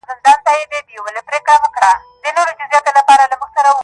خو نه څانګه په دنیا کي میندل کېږي!!